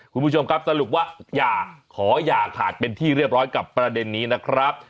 คุณผู้ชมครับสรุปว่าอย่าขออย่าขาดเป็นที่เรียบร้อยกับประเด็นนี้นะครับ